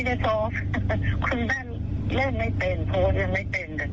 ไม่นะคุณแม่เล่นไม่เป็นโพสต์ยังไม่เป็น